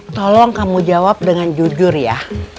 tolong kamu jawab dengan jujur ya